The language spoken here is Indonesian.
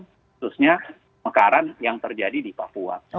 khususnya mekaran yang terjadi di papua